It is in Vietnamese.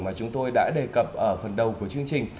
mà chúng tôi đã đề cập ở phần đầu của chương trình